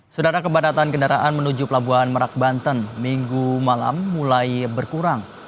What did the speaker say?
sudara kepadatan kendaraan menuju pelabuhan merak banten minggu malam mulai berkurang